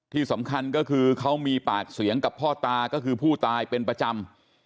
ที่สำคัญก็คือเขามีปากเสียงกับพ่อตาก็คือผู้ตายเป็นประจำ